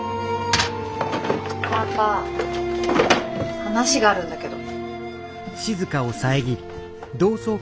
パパ話があるんだけど。